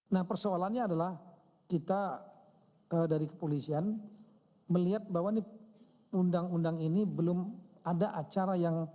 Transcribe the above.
nah persoalannya adalah kita dari kepolisian melihat bahwa undang undang ini belum ada acara yang